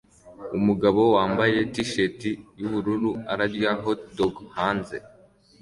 Umugabo wambaye t-shirt yubururu arya hotdog hanze